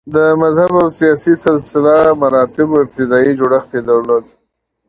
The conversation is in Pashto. د مذهب او سیاسي سلسه مراتبو ابتدايي جوړښت یې درلود